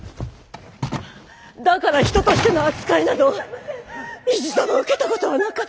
だから人としての扱いなど一度も受けたことはなかった。